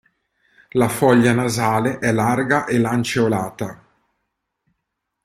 La foglia nasale è larga e lanceolata.